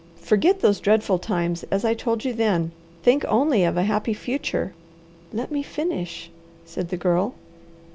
Forget those dreadful times, as I told you then! Think only of a happy future!" "Let me finish," said the Girl.